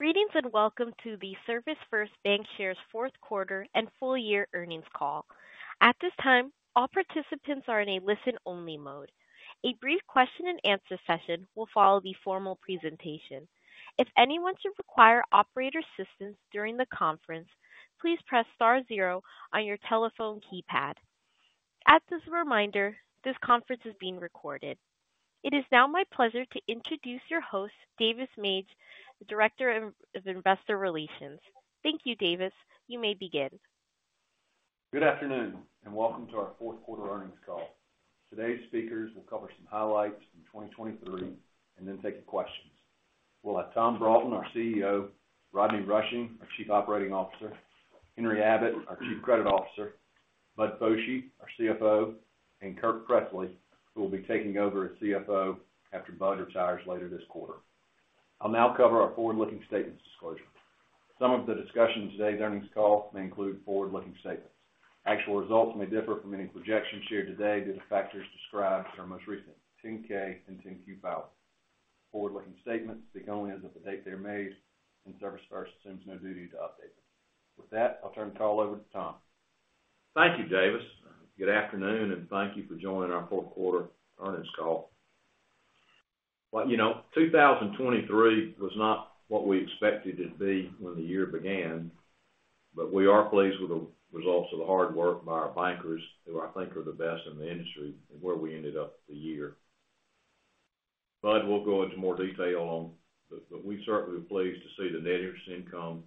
Greetings and welcome to the ServisFirst Bancshares Q4 and FY Earnings call. At this time, all participants are in a listen-only mode. A brief question-and-answer session will follow the formal presentation. If anyone should require operator assistance during the conference, please press star 0 on your telephone keypad. As a reminder, this conference is being recorded. It is now my pleasure to introduce your host, Davis Mange, the Director of Investor Relations. Thank you, Davis. You may begin. Good afternoon and welcome to our Q4 earnings call. Today's speakers will cover some highlights from 2023 and then take your questions. We'll have Tom Broughton, our CEO; Rodney Rushing, our Chief Operating Officer; Henry Abbott, our Chief Credit Officer; Bud Foshee, our CFO; and Kirk Pressley, who will be taking over as CFO after Bud retires later this quarter. I'll now cover our forward-looking statements disclosure. Some of the discussion in today's earnings call may include forward-looking statements. Actual results may differ from any projection shared today due to factors described in our most recent 10-K and 10-Q files. Forward-looking statements speak only as of the date they are made, and ServisFirst assumes no duty to update them. With that, I'll turn the call over to Tom. Thank you, Davis. Good afternoon, and thank you for joining our fourth quarter earnings call. Well, you know, 2023 was not what we expected it to be when the year began, but we are pleased with the results of the hard work by our bankers, who I think are the best in the industry and where we ended up the year. Bud, we'll go into more detail on, but we certainly were pleased to see the net interest income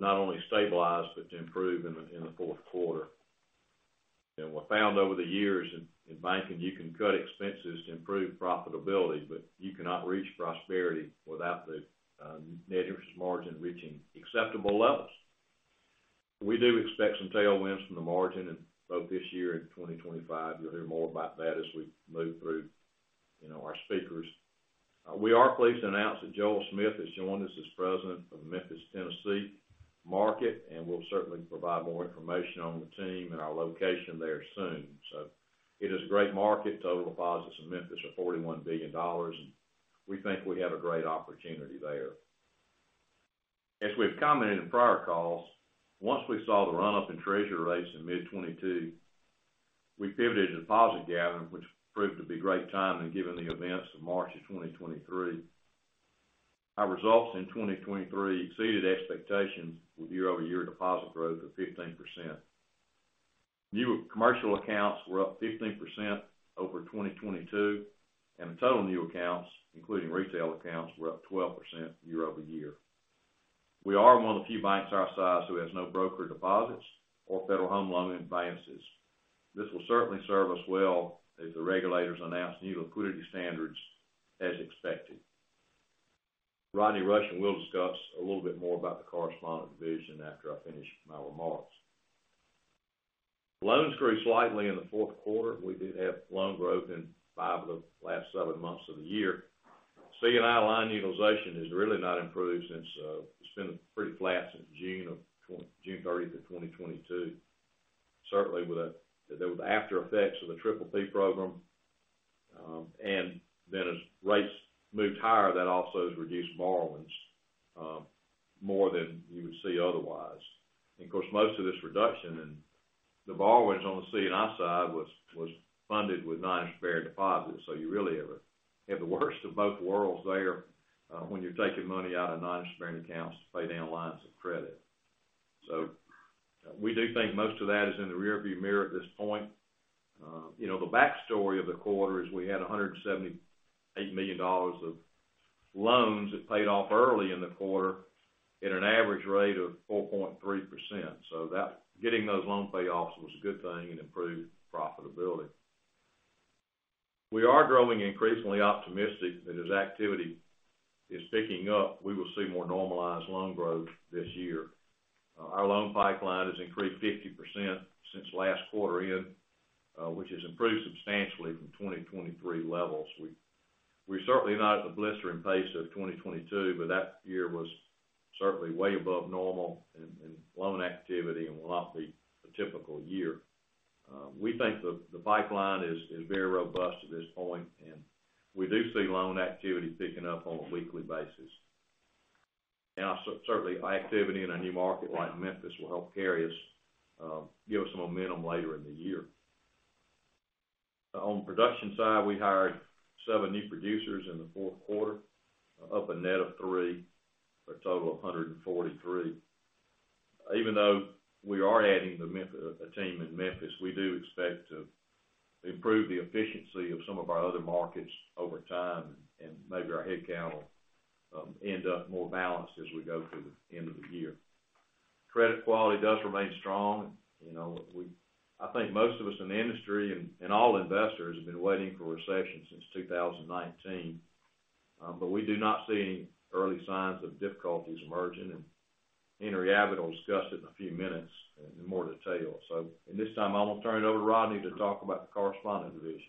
not only stabilize but to improve in the fourth quarter. We found over the years in banking, you can cut expenses to improve profitability, but you cannot reach prosperity without the net interest margin reaching acceptable levels. We do expect some tailwinds from the margin, and both this year and 2025, you'll hear more about that as we move through our speakers. We are pleased to announce that Joel Smith has joined us as President of Memphis, Tennessee market, and we'll certainly provide more information on the team and our location there soon. So it is a great market. Total deposits in Memphis are $41 billion, and we think we have a great opportunity there. As we've commented in prior calls, once we saw the run-up in treasury rates in mid-2022, we pivoted to deposit gathering, which proved to be great timing given the events of March of 2023. Our results in 2023 exceeded expectations with year-over-year deposit growth of 15%. New commercial accounts were up 15% over 2022, and total new accounts, including retail accounts, were up 12% year-over-year. We are one of the few banks our size who has no broker deposits or Federal Home Loan advances. This will certainly serve us well if the regulators announce new liquidity standards as expected. Rodney Rushing will discuss a little bit more about the correspondent division after I finish my remarks. Loans grew slightly in the fourth quarter. We did have loan growth in 5 of the last 7 months of the year. C&I line utilization has really not improved since it's been pretty flat since June 30th of 2022, certainly with the aftereffects of the PPP program. And then as rates moved higher, that also has reduced borrowings more than you would see otherwise. And of course, most of this reduction and the borrowings on the C&I side was funded with non-sparing deposits, so you really have the worst of both worlds there when you're taking money out of non-sparing accounts to pay down lines of credit. So we do think most of that is in the rearview mirror at this point. The backstory of the quarter is we had $178 million of loans that paid off early in the quarter at an average rate of 4.3%. So getting those loan payoffs was a good thing and improved profitability. We are growing increasingly optimistic that as activity is picking up, we will see more normalized loan growth this year. Our loan pipeline has increased 50% since last quarter end, which has improved substantially from 2023 levels. We're certainly not at the blistering pace of 2022, but that year was certainly way above normal in loan activity and will not be a typical year. We think the pipeline is very robust at this point, and we do see loan activity picking up on a weekly basis. Certainly, activity in a new market like Memphis will help carry us, give us some momentum later in the year. On the production side, we hired seven new producers in the fourth quarter, up a net of three for a total of 143. Even though we are adding a team in Memphis, we do expect to improve the efficiency of some of our other markets over time, and maybe our headcount will end up more balanced as we go to the end of the year. Credit quality does remain strong. I think most of us in the industry and all investors have been waiting for recession since 2019, but we do not see any early signs of difficulties emerging. Henry Abbott will discuss it in a few minutes in more detail. At this time, I'm going to turn it over to Rodney to talk about the correspondent division.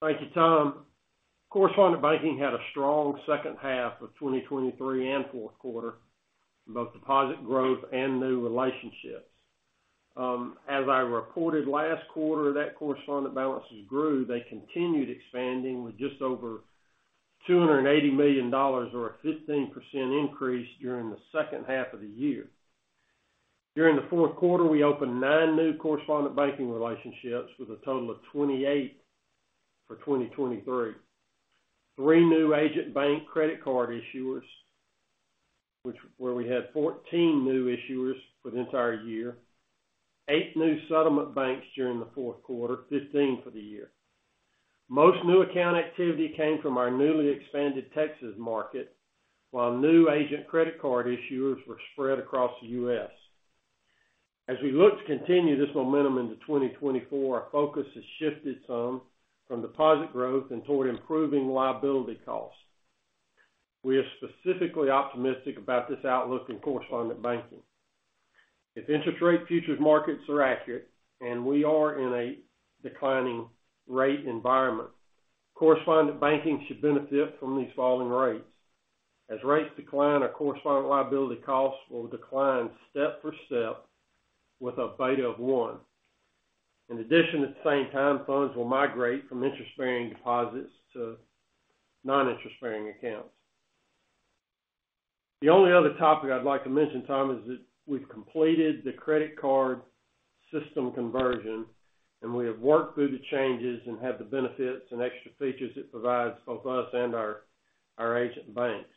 Thank you, Tom. Correspondent banking had a strong second half of 2023 and fourth quarter, both deposit growth and new relationships. As I reported last quarter, that correspondent balances grew. They continued expanding with just over $280 million or a 15% increase during the second half of the year. During the fourth quarter, we opened 9 new correspondent banking relationships with a total of 28 for 2023, 3 new agent bank credit card issuers, where we had 14 new issuers for the entire year, 8 new settlement banks during the fourth quarter, 15 for the year. Most new account activity came from our newly expanded Texas market, while new agent credit card issuers were spread across the U.S. As we look to continue this momentum into 2024, our focus has shifted some from deposit growth and toward improving liability costs. We are specifically optimistic about this outlook in correspondent banking. If interest rate futures markets are accurate and we are in a declining rate environment, correspondent banking should benefit from these falling rates. As rates decline, our correspondent liability costs will decline step for step with a beta of 1. In addition, at the same time, funds will migrate from interest-bearing deposits to non-interest-bearing accounts. The only other topic I'd like to mention, Tom, is that we've completed the credit card system conversion, and we have worked through the changes and had the benefits and extra features it provides both us and our agent banks.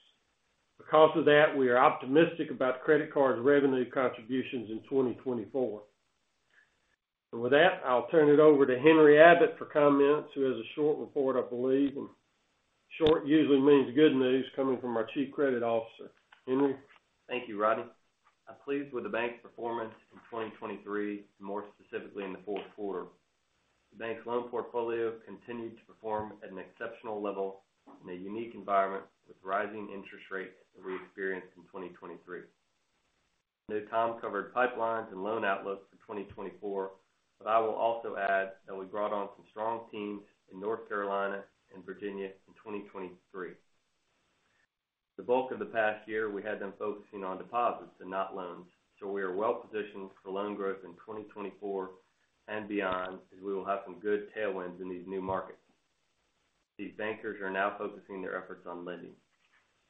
Because of that, we are optimistic about credit card revenue contributions in 2024. And with that, I'll turn it over to Henry Abbott for comments, who has a short report, I believe, and short usually means good news coming from our Chief Credit Officer. Henry? Thank you, Rodney. I'm pleased with the bank's performance in 2023, more specifically in the fourth quarter. The bank's loan portfolio continued to perform at an exceptional level in a unique environment with rising interest rates that we experienced in 2023. Now Tom covered pipelines and loan outlook for 2024, but I will also add that we brought on some strong teams in North Carolina and Virginia in 2023. The bulk of the past year, we had them focusing on deposits and not loans, so we are well positioned for loan growth in 2024 and beyond as we will have some good tailwinds in these new markets. These bankers are now focusing their efforts on lending.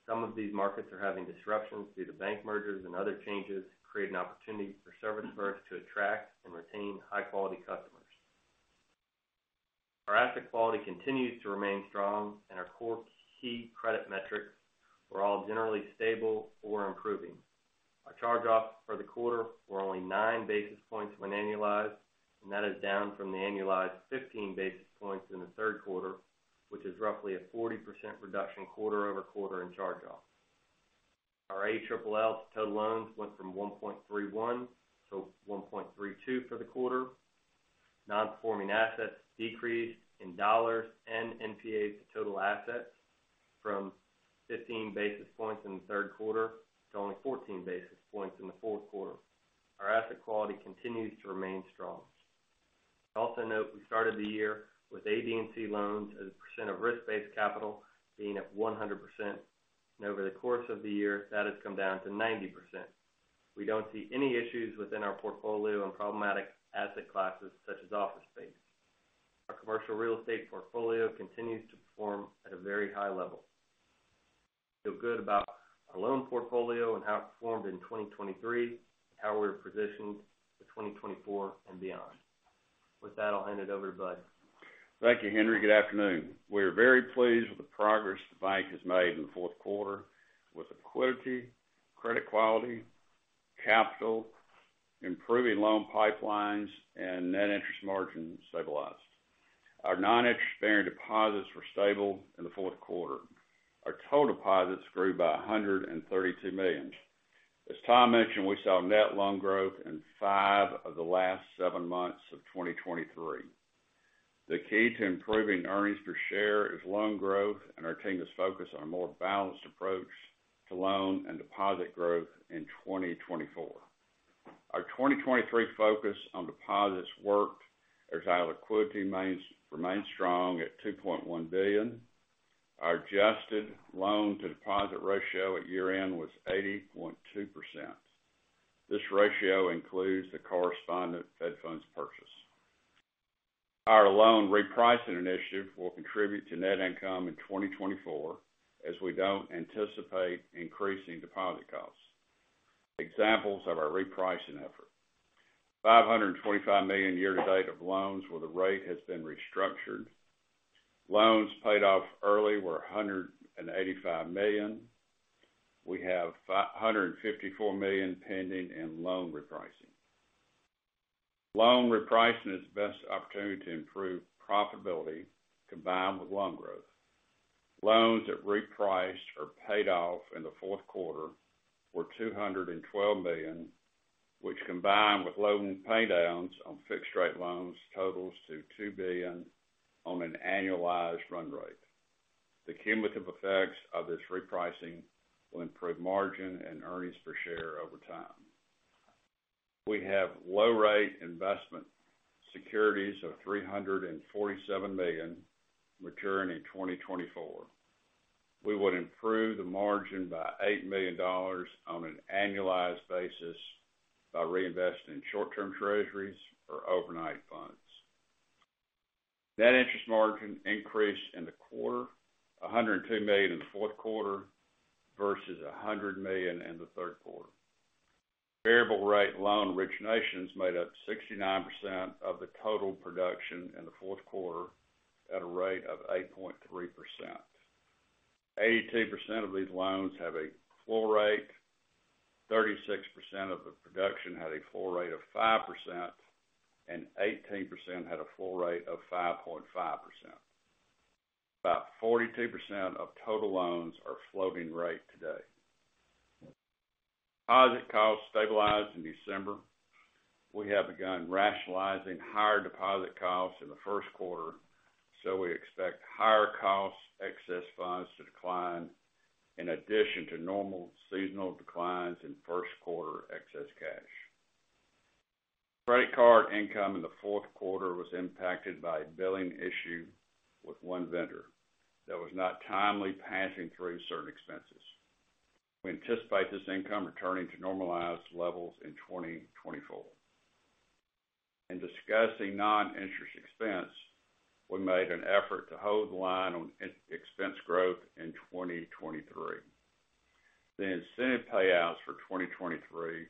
Some of these markets are having disruptions due to bank mergers and other changes create an opportunity for ServisFirst to attract and retain high-quality customers. Our asset quality continues to remain strong, and our core key credit metrics were all generally stable or improving. Our charge-offs for the quarter were only 9 basis points when annualized, and that is down from the annualized 15 basis points in the third quarter, which is roughly a 40% reduction quarter-over-quarter in charge-offs. Our ALLL total loans went from 1.31 to 1.32 for the quarter. Non-performing assets decreased in dollars and NPAs to total assets from 15 basis points in the third quarter to only 14 basis points in the fourth quarter. Our asset quality continues to remain strong. I also note we started the year with AD&C loans as a percent of risk-based capital being at 100%, and over the course of the year, that has come down to 90%. We don't see any issues within our portfolio in problematic asset classes such as office space. Our commercial real estate portfolio continues to perform at a very high level. I feel good about our loan portfolio and how it performed in 2023 and how we're positioned for 2024 and beyond. With that, I'll hand it over to Bud. Thank you, Henry. Good afternoon. We are very pleased with the progress the bank has made in the fourth quarter with liquidity, credit quality, capital, improving loan pipelines, and net interest margin stabilized. Our non-interest-bearing deposits were stable in the fourth quarter. Our total deposits grew by $132 million. As Tom mentioned, we saw net loan growth in five of the last seven months of 2023. The key to improving earnings per share is loan growth, and our team has focused on a more balanced approach to loan and deposit growth in 2024. Our 2023 focus on deposits worked as our liquidity remained strong at $2.1 billion. Our adjusted loan-to-deposit ratio at year-end was 80.2%. This ratio includes the correspondent Fed funds purchase. Our loan repricing initiative will contribute to net income in 2024 as we don't anticipate increasing deposit costs. Examples of our repricing effort: $525 million year-to-date of loans where the rate has been restructured. Loans paid off early were $185 million. We have $154 million pending in loan repricing. Loan repricing is the best opportunity to improve profitability combined with loan growth. Loans that repriced or paid off in the fourth quarter were $212 million, which combined with loan paydowns on fixed-rate loans totals to $2 billion on an annualized run rate. The cumulative effects of this repricing will improve margin and earnings per share over time. We have low-rate investment securities of $347 million maturing in 2024. We would improve the margin by $8 million on an annualized basis by reinvesting in short-term treasuries or overnight funds. Net interest margin increased in the quarter, $102 million in the fourth quarter versus $100 million in the third quarter. Variable-rate loan originations made up 69% of the total production in the fourth quarter at a rate of 8.3%. 82% of these loans have a floor rate. 36% of the production had a floor rate of 5%, and 18% had a floor rate of 5.5%. About 42% of total loans are floating rate today. Deposit costs stabilized in December. We have begun rationalizing higher deposit costs in the first quarter, so we expect higher cost excess funds to decline in addition to normal seasonal declines in first-quarter excess cash. Credit card income in the fourth quarter was impacted by a billing issue with one vendor that was not timely passing through certain expenses. We anticipate this income returning to normalized levels in 2024. In discussing non-interest expense, we made an effort to hold the line on expense growth in 2023. The incentive payouts for 2023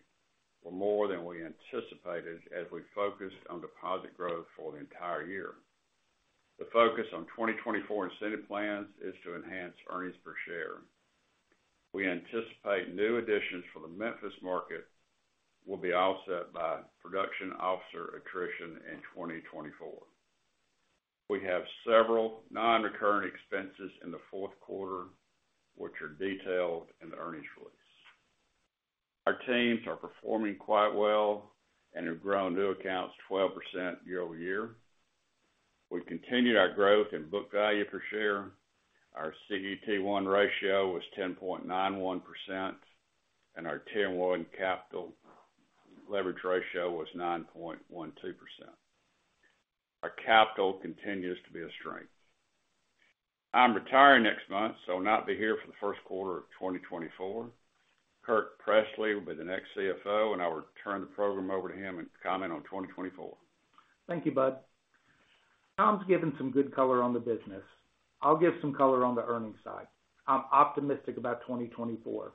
were more than we anticipated as we focused on deposit growth for the entire year. The focus on 2024 incentive plans is to enhance earnings per share. We anticipate new additions for the Memphis market will be offset by production officer attrition in 2024. We have several non-recurring expenses in the fourth quarter, which are detailed in the earnings release. Our teams are performing quite well and have grown new accounts 12% year-over-year. We've continued our growth in book value per share. Our CET1 ratio was 10.91%, and our Tier 1 capital leverage ratio was 9.12%. Our capital continues to be a strength. I'm retiring next month, so I'll not be here for the first quarter of 2024. Kirk Pressley will be the next CFO, and I will turn the program over to him and comment on 2024. Thank you, Bud. Tom's given some good color on the business. I'll give some color on the earnings side. I'm optimistic about 2024.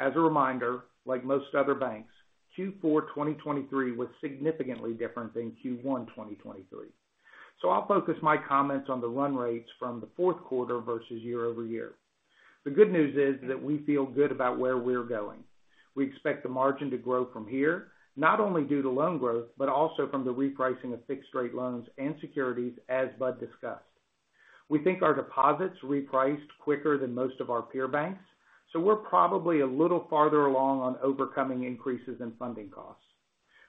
As a reminder, like most other banks, Q4 2023 was significantly different than Q1 2023. I'll focus my comments on the run rates from the fourth quarter versus year-over-year. The good news is that we feel good about where we're going. We expect the margin to grow from here, not only due to loan growth but also from the repricing of fixed-rate loans and securities, as Bud discussed. We think our deposits repriced quicker than most of our peer banks, so we're probably a little farther along on overcoming increases in funding costs.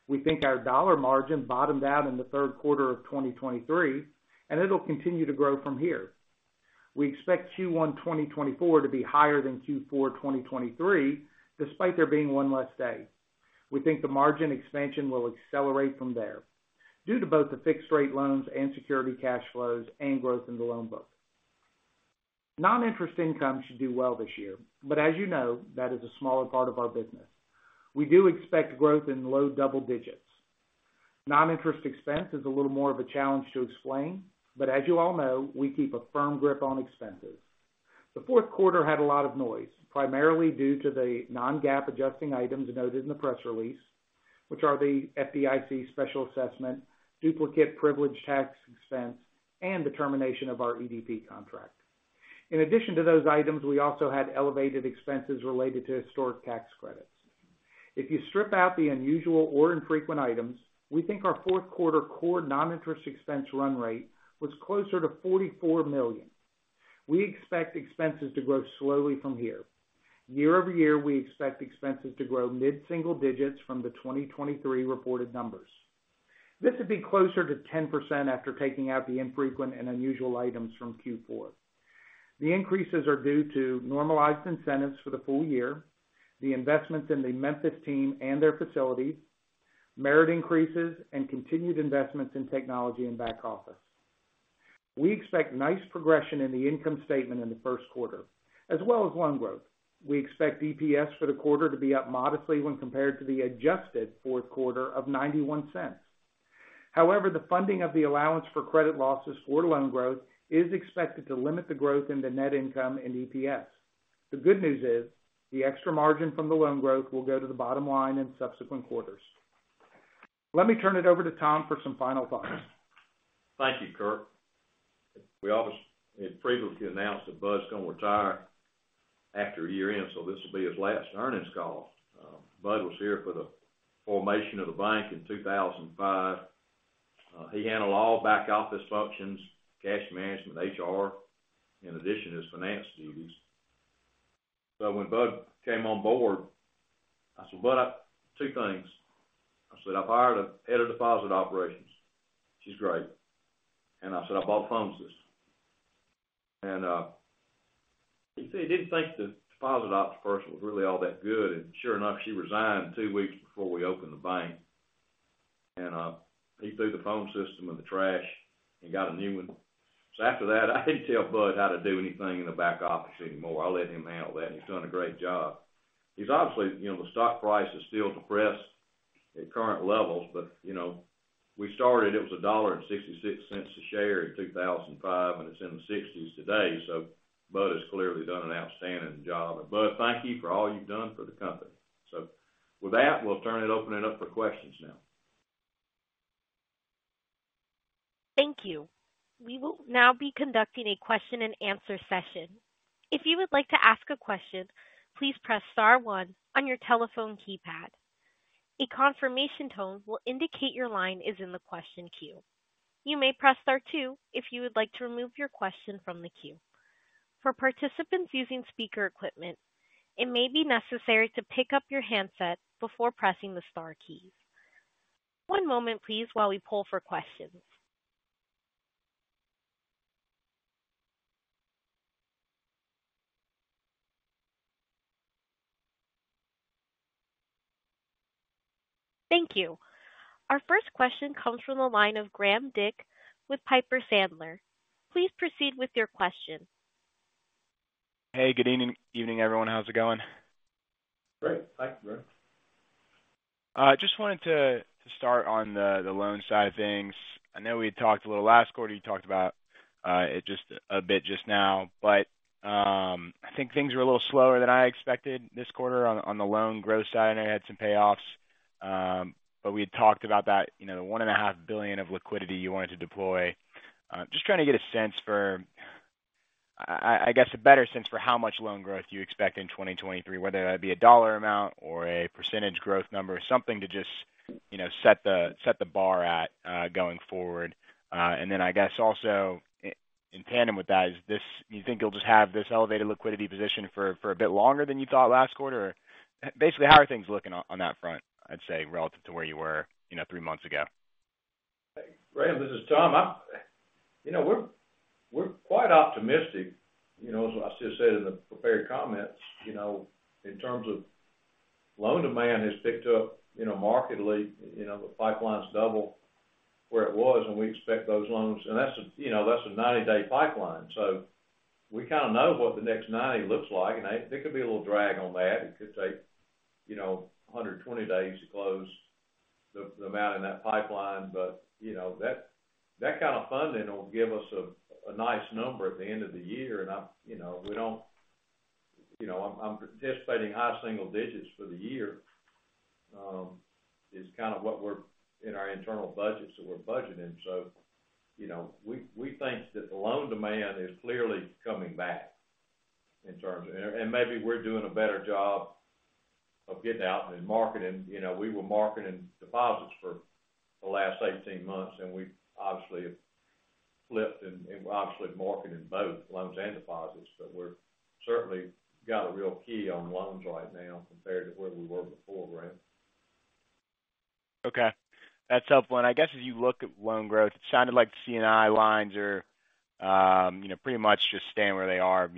We think our dollar margin bottomed out in the third quarter of 2023, and it'll continue to grow from here. We expect Q1 2024 to be higher than Q4 2023 despite there being one less day. We think the margin expansion will accelerate from there due to both the fixed-rate loans and security cash flows and growth in the loan book. Non-interest income should do well this year, but as you know, that is a smaller part of our business. We do expect growth in low double digits. Non-interest expense is a little more of a challenge to explain, but as you all know, we keep a firm grip on expenses. The fourth quarter had a lot of noise, primarily due to the non-GAAP adjusting items noted in the press release, which are the FDIC special assessment, duplicate privilege tax expense, and termination of our EDP contract. In addition to those items, we also had elevated expenses related to historic tax credits. If you strip out the unusual or infrequent items, we think our fourth quarter core non-interest expense run rate was closer to $44 million. We expect expenses to grow slowly from here. Year-over-year, we expect expenses to grow mid-single digits from the 2023 reported numbers. This would be closer to 10% after taking out the infrequent and unusual items from Q4. The increases are due to normalized incentives for the full year, the investments in the Memphis team and their facilities, merit increases, and continued investments in technology and back office. We expect nice progression in the income statement in the first quarter as well as loan growth. We expect EPS for the quarter to be up modestly when compared to the adjusted fourth quarter of $0.91. However, the funding of the allowance for credit losses for loan growth is expected to limit the growth in the net income and EPS. The good news is the extra margin from the loan growth will go to the bottom line in subsequent quarters. Let me turn it over to Tom for some final thoughts. Thank you, Kirk. We all had previously announced that Bud's going to retire after year-end, so this will be his last earnings call. Bud was here for the formation of the bank in 2005. He handled all back office functions, cash management, HR, in addition to his finance duties. So when Bud came on board, I said, "Bud, two things." I said, "I've hired a head of deposit operations. She's great." And I said, "I bought a phone system." And he said he didn't think the deposit ops person was really all that good, and sure enough, she resigned two weeks before we opened the bank. And he threw the phone system in the trash and got a new one. So after that, I didn't tell Bud how to do anything in the back office anymore. I let him handle that, and he's done a great job. Obviously, the stock price is still depressed at current levels, but we started it was $1.66 a share in 2005, and it's in the 60s today. So Bud has clearly done an outstanding job. And Bud, thank you for all you've done for the company. So with that, we'll open it up for questions now. Thank you. We will now be conducting a question-and-answer session. If you would like to ask a question, please press star 1 on your telephone keypad. A confirmation tone will indicate your line is in the question queue. You may press star 2 if you would like to remove your question from the queue. For participants using speaker equipment, it may be necessary to pick up your handset before pressing the star keys. One moment, please, while we pull for questions. Thank you. Our first question comes from the line of Graham Dick with Piper Sandler. Please proceed with your question. Hey, good evening, everyone. How's it going? Great. Thanks, Brian. I just wanted to start on the loan side of things. I know we had talked a little last quarter. You talked about it just a bit just now, but I think things were a little slower than I expected this quarter on the loan growth side. I know you had some payoffs, but we had talked about that, the $1.5 billion of liquidity you wanted to deploy. Just trying to get a sense for, I guess, a better sense for how much loan growth you expect in 2023, whether that be a dollar amount or a percentage growth number, something to just set the bar at going forward. And then, I guess, also in tandem with that, do you think you'll just have this elevated liquidity position for a bit longer than you thought last quarter, or basically, how are things looking on that front, I'd say, relative to where you were three months ago? Graham, this is Tom. We're quite optimistic, as I said in the prepared comments, in terms of loan demand has picked up markedly. The pipeline's double where it was, and we expect those loans and that's a 90-day pipeline. So we kind of know what the next 90 looks like, and there could be a little drag on that. It could take 120 days to close the amount in that pipeline, but that kind of funding will give us a nice number at the end of the year. And we don't. I'm anticipating high single digits for the year, is kind of what we're in our internal budgets that we're budgeting. So we think that the loan demand is clearly coming back in terms of and maybe we're doing a better job of getting out and marketing. We were marketing deposits for the last 18 months, and we've obviously flipped and obviously marketing both loans and deposits. But we've certainly got a real key on loans right now compared to where we were before, Graham. Okay. That's helpful. I guess as you look at loan growth, it sounded like C&I lines are pretty much just staying where they are,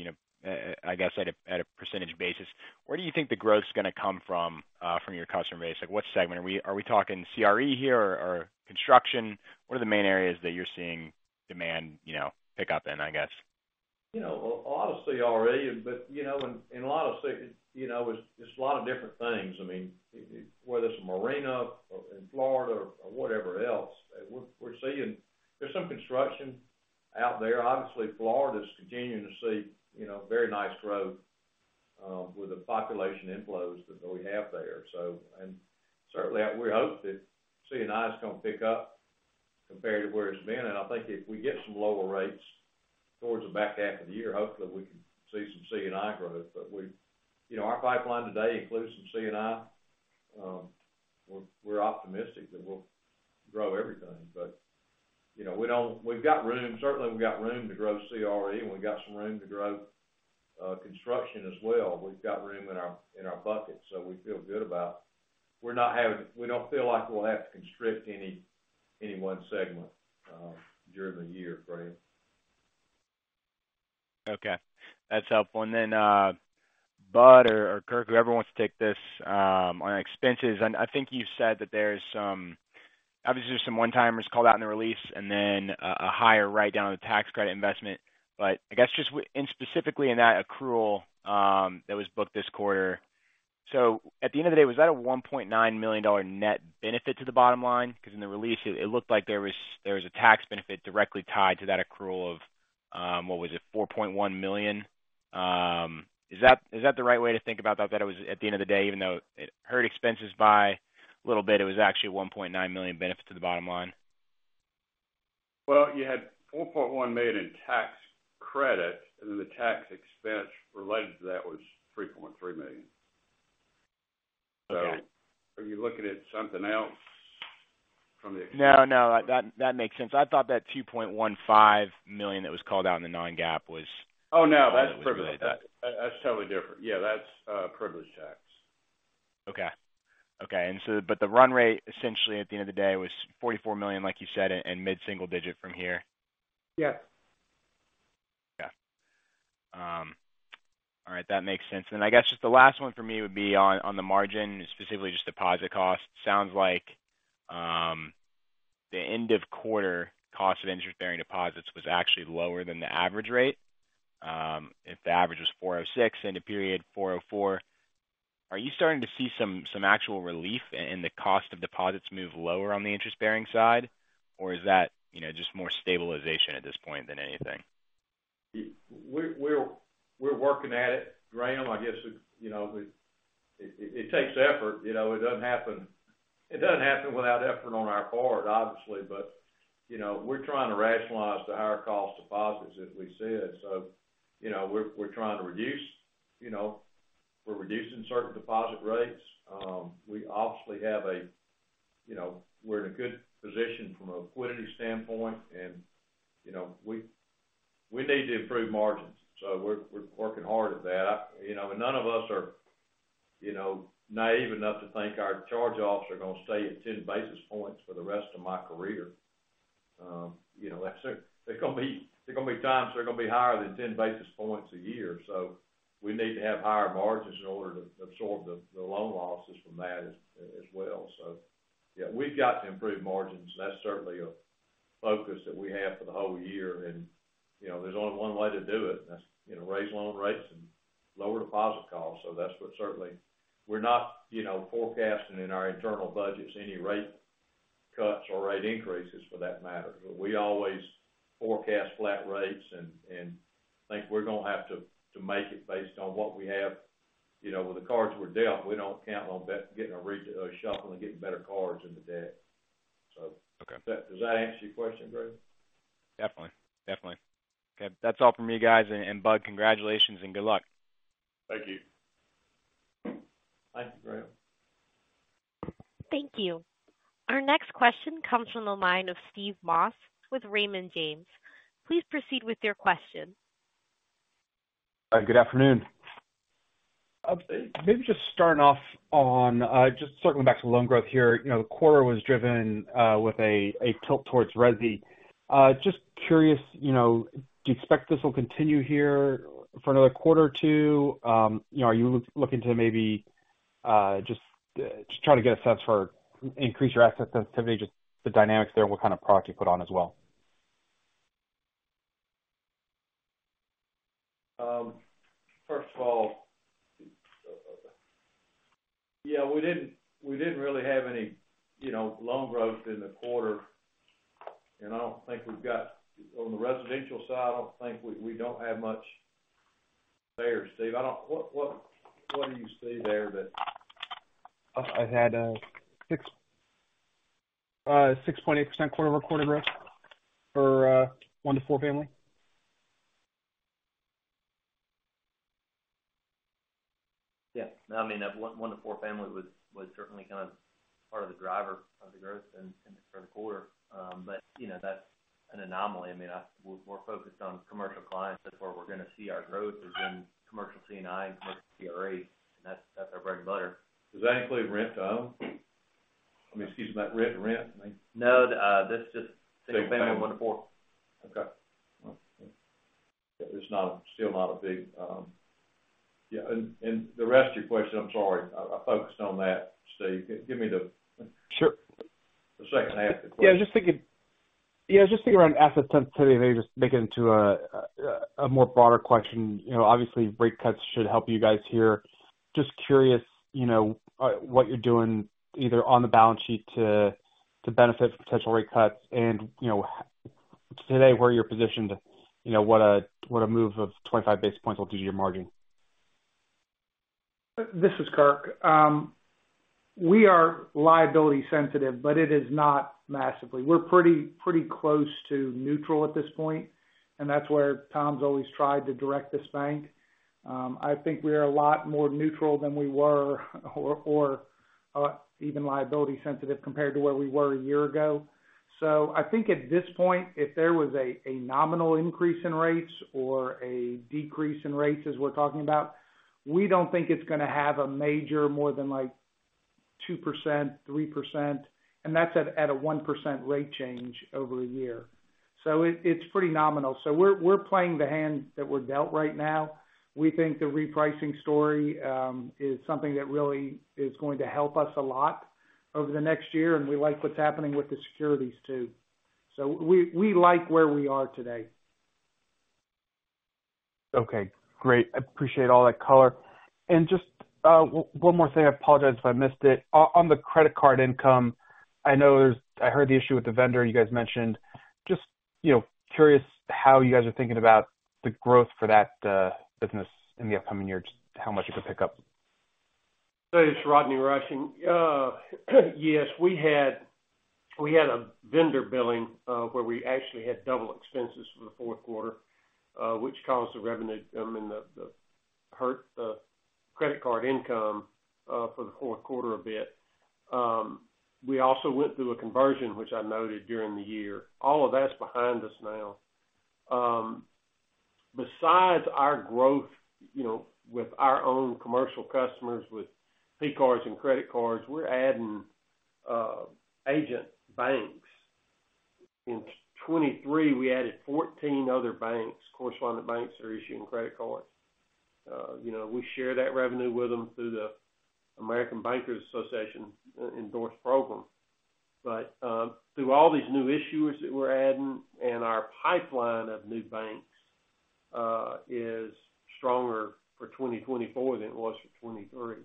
I guess, at a percentage basis. Where do you think the growth's going to come from your customer base? What segment? Are we talking CRE here or construction? What are the main areas that you're seeing demand pick up in, I guess? Honestly, already. But in a lot of it's a lot of different things. I mean, whether it's a marina in Florida or whatever else, we're seeing there's some construction out there. Obviously, Florida's continuing to see very nice growth with the population inflows that we have there. And certainly, we hope that C&I is going to pick up compared to where it's been. And I think if we get some lower rates towards the back half of the year, hopefully, we can see some C&I growth. But our pipeline today includes some C&I. We're optimistic that we'll grow everything. But we've got room. Certainly, we've got room to grow CRE, and we've got some room to grow construction as well. We've got room in our bucket, so we feel good about we're not having we don't feel like we'll have to constrict any one segment during the year, Graham. Okay. That's helpful. And then, Bud or Kirk, whoever wants to take this on expenses, I think you said that there is some obviously, there's some one-timers called out in the release and then a higher write-down of the tax credit investment. But I guess just specifically in that accrual that was booked this quarter so at the end of the day, was that a $1.9 million net benefit to the bottom line? Because in the release, it looked like there was a tax benefit directly tied to that accrual of what was it? $4.1 million. Is that the right way to think about that, that it was at the end of the day, even though it hurt expenses by a little bit, it was actually a $1.9 million benefit to the bottom line? Well, you had $4.1 million in tax credit, and then the tax expense related to that was $3.3 million. So are you looking at something else from the expense? No, no. That makes sense. I thought that $2.15 million that was called out in the non-GAAP was. Oh, no. That's privilege tax. That's totally different. Yeah, that's privilege tax. Okay. Okay. But the run rate, essentially, at the end of the day, was $44 million, like you said, and mid-single digit from here? Yes. Okay. All right. That makes sense. And then I guess just the last one for me would be on the margin, specifically just deposit costs. Sounds like the end-of-quarter cost of interest-bearing deposits was actually lower than the average rate. If the average was 406 and end-of-period 404, are you starting to see some actual relief in the cost of deposits move lower on the interest-bearing side, or is that just more stabilization at this point than anything? We're working at it, Graham. I guess it takes effort. It doesn't happen without effort on our part, obviously, but we're trying to rationalize the higher cost deposits that we said. So we're trying to reduce. We're reducing certain deposit rates. We obviously have. We're in a good position from a liquidity standpoint, and we need to improve margins. So we're working hard at that. And none of us are naive enough to think our charge-offs are going to stay at 10 basis points for the rest of my career. There's going to be times they're going to be higher than 10 basis points a year. So we need to have higher margins in order to absorb the loan losses from that as well. So yeah, we've got to improve margins. That's certainly a focus that we have for the whole year. And there's only one way to do it, and that's raise loan rates and lower deposit costs. So that's what certainly we're not forecasting in our internal budgets any rate cuts or rate increases for that matter. But we always forecast flat rates and think we're going to have to make it based on what we have. With the cards we're dealt, we don't count on getting a shuffle and getting better cards in the debt, so. Does that answer your question, Graham? Definitely. Definitely. Okay. That's all from me, guys. And Bud, congratulations and good luck. Thank you. Thank you, Graham. Thank you. Our next question comes from the line of Steve Moss with Raymond James. Please proceed with your question. Good afternoon. Maybe just starting off on just circling back to loan growth here. The quarter was driven with a tilt towards resi. Just curious, do you expect this will continue here for another quarter or two? Are you looking to maybe just try to get a sense for increase your asset sensitivity, just the dynamics there, and what kind of product you put on as well? First of all, yeah, we didn't really have any loan growth in the quarter. And I don't think we've got on the residential side, I don't think we don't have much. There, Steve? What do you see there that? I've had a 6.8% quarter-over-quarter growth for 1-4 family. Yeah. I mean, that 1-4 family was certainly kind of part of the driver of the growth for the quarter. But that's an anomaly. I mean, we're focused on commercial clients, that's where we're going to see our growth is in commercial C&I and commercial CRE. And that's our bread and butter. Does that include rent-to-own? I mean, excuse me, that rent-to-rent, I mean? No, this just single-family 1-4. Okay. It's still not a big yeah. And the rest of your question, I'm sorry. I focused on that, Steve. Give me the second half of the question. Yeah. I was just thinking around asset sensitivity and maybe just make it into a more broader question. Obviously, rate cuts should help you guys here. Just curious what you're doing either on the balance sheet to benefit from potential rate cuts. And today, where are you positioned? What a move of 25 basis points will do to your margin? This is Kirk. We are liability-sensitive, but it is not massively. We're pretty close to neutral at this point, and that's where Tom's always tried to direct this bank. I think we are a lot more neutral than we were or even liability-sensitive compared to where we were a year ago. So I think at this point, if there was a nominal increase in rates or a decrease in rates, as we're talking about, we don't think it's going to have a major more than 2%, 3%. And that's at a 1% rate change over a year. So it's pretty nominal. So we're playing the hand that we're dealt right now. We think the repricing story is something that really is going to help us a lot over the next year, and we like what's happening with the securities too. So we like where we are today. Okay. Great. I appreciate all that color. And just one more thing. I apologize if I missed it. On the credit card income, I heard the issue with the vendor you guys mentioned. Just curious how you guys are thinking about the growth for that business in the upcoming year, just how much it could pick up? That is Rodney Rushing. Yes, we had a vendor billing where we actually had double expenses for the fourth quarter, which caused the revenue I mean, hurt the credit card income for the fourth quarter a bit. We also went through a conversion, which I noted during the year. All of that's behind us now. Besides our growth with our own commercial customers with P-cards and credit cards, we're adding agent banks. In 2023, we added 14 other banks, correspondent banks that are issuing credit cards. We share that revenue with them through the American Bankers Association endorsed program. But through all these new issuers that we're adding and our pipeline of new banks is stronger for 2024 than it was for 2023.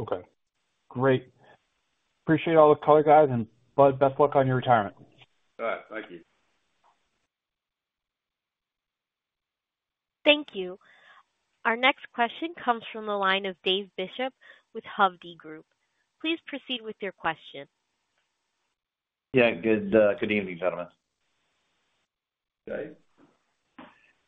Okay. Great. Appreciate all the color, guys. And Bud, best luck on your retirement. All right. Thank you. Thank you. Our next question comes from the line of Dave Bishop with Hovde Group. Please proceed with your question. Yeah. Good evening, gentlemen. Dave?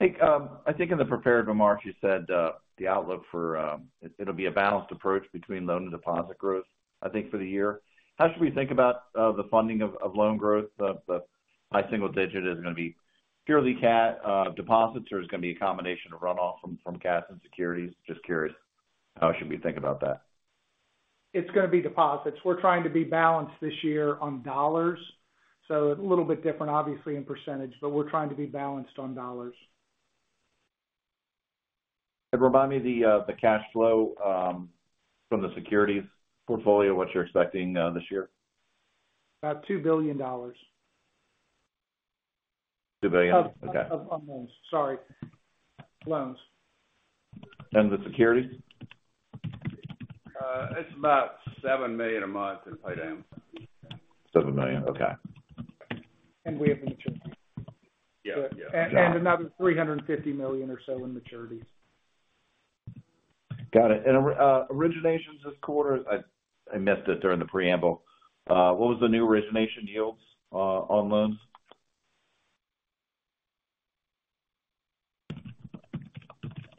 I think in the prepared remarks, you said the outlook for it'll be a balanced approach between loan and deposit growth, I think, for the year. How should we think about the funding of loan growth? The high single digit is going to be purely cash deposits, or it's going to be a combination of runoff from cash and securities? Just curious, how should we think about that. It's going to be deposits. We're trying to be balanced this year on dollars. So a little bit different, obviously, in percentage, but we're trying to be balanced on dollars. Could you remind me the cash flow from the securities portfolio, what you're expecting this year? About $2 billion. $2 billion? Okay. Of loans. Sorry. Loans. The securities? It's about $7 million a month in paydowns. $7 million. Okay. We have the maturity. Another $350 million or so in maturities. Got it. Originations this quarter? I missed it during the preamble. What was the new origination yields on loans?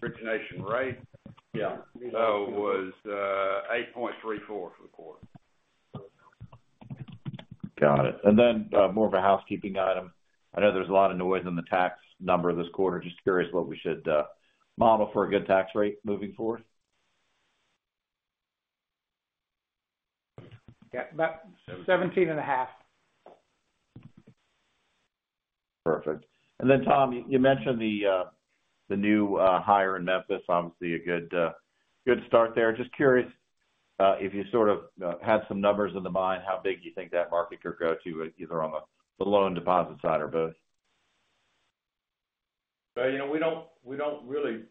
Origination rate, yeah, was 8.34 for the quarter. Got it. And then more of a housekeeping item. I know there's a lot of noise on the tax number this quarter. Just curious what we should model for a good tax rate moving forward. About 17.5. Perfect. And then, Tom, you mentioned the new hire in Memphis, obviously, a good start there. Just curious if you sort of had some numbers in the mind, how big do you think that market could grow to either on the loan deposit side or both? Well, we don't really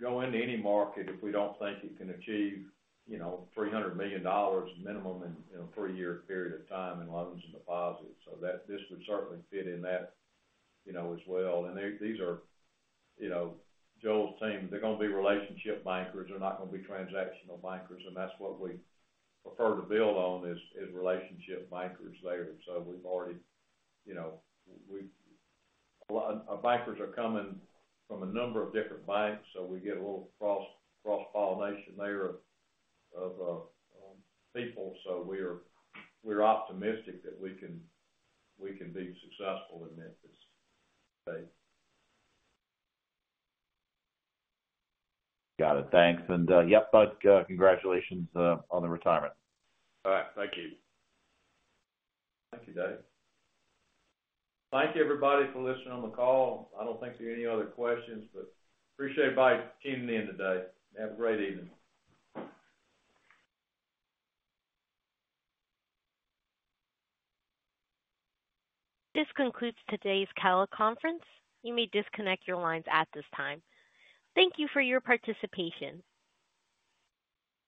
go into any market if we don't think it can achieve $300 million minimum in a three-year period of time in loans and deposits. So this would certainly fit in that as well. And these are Joel's team. They're going to be relationship bankers. They're not going to be transactional bankers. And that's what we prefer to build on is relationship bankers there. So we've already our bankers are coming from a number of different banks, so we get a little cross-pollination there of people. So we're optimistic that we can be successful in Memphis, Dave. Got it. Thanks. Yep, Bud, congratulations on the retirement. All right. Thank you. Thank you, Dave. Thank you, everybody, for listening on the call. I don't think there are any other questions, but appreciate everybody tuning in today. Have a great evening. This concludes today's teleconference. You may disconnect your lines at this time. Thank you for your participation.